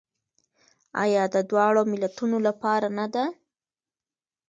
آیا د دواړو ملتونو لپاره نه ده؟